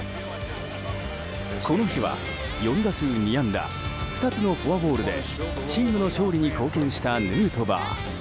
この日は４打数２安打２つのフォアボールでチームの勝利に貢献したヌートバー。